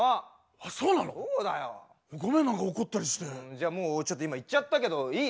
じゃあもうちょっと今言っちゃったけどいい？